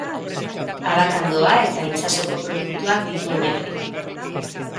Abakandoa eta itsasoko produktuak ditu oinarri.